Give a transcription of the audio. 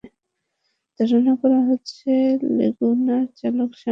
ধারণা করা হচ্ছে, লেগুনার চালক সামনে থেকে আসা কাভার্ড ভ্যানটিকে দেখতে পাননি।